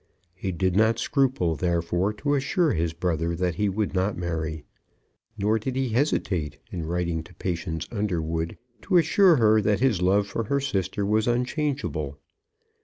He did not scruple, therefore, to assure his brother that he would not marry, nor did he hesitate, in writing to Patience Underwood, to assure her that his love for her sister was unchangeable.